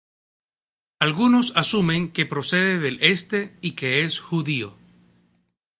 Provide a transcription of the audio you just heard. Algunos asumen que procede del Este y que es judío.